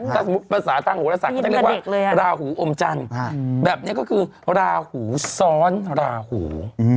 ถ้าสมมุติภาษาทางโหรศักดิเขาจะเรียกว่าราหูอมจันทร์แบบนี้ก็คือราหูซ้อนราหู